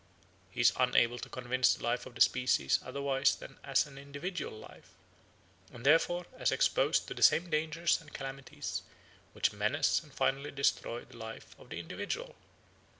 He is unable to conceive the life of the species otherwise than as an individual life, and therefore as exposed to the same dangers and calamities which menace and finally destroy the life of the individual.